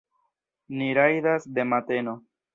Ni rajdas de mateno.